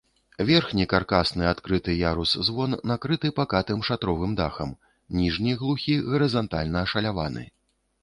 Верхні каркасны адкрыты ярус-звон накрыты пакатым шатровым дахам, ніжні глухі гарызантальна ашаляваны.